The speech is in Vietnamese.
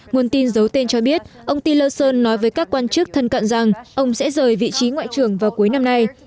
nguồn tin giấu tên cho biết ông tinlerson nói với các quan chức thân cận rằng ông sẽ rời vị trí ngoại trưởng vào cuối năm nay